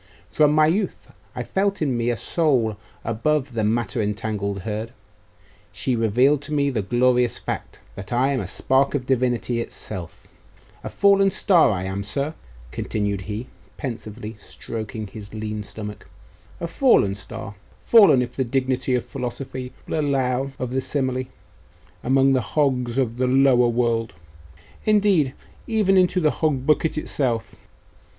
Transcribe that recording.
From my youth I felt in me a soul above the matter entangled herd. She revealed to me the glorious fact, that I am a spark of Divinity itself. A fallen star, I am, sir!' continued he, pensively, stroking his lean stomach 'a fallen star! fallen, if the dignity of philosophy will allow of the simile, among the hogs of the lower world indeed, even into the hog bucket itself.